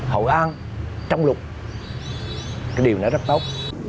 hội an trong lụt cái điều này rất tốt